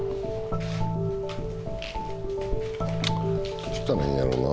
どうしたらいいんやろな。